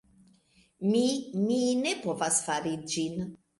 Mi... mi ne povas fari ĝin.